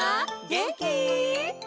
げんき？